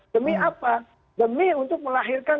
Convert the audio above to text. demi apa demi untuk melahirkan